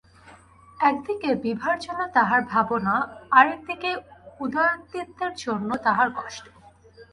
একদিকে বিভার জন্য তাঁহার ভাবনা, আর এক দিকে উদয়াদিত্যের জন্য তাঁহার কষ্ট।